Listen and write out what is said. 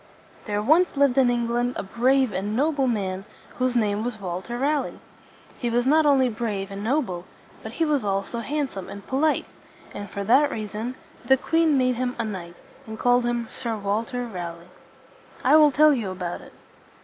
There once lived in England a brave and noble man whose name was Walter Ra leigh. He was not only brave and noble, but he was also handsome and polite; and for that reason the queen made him a knight, and called him Sir Walter Ra leigh. I will tell you about it.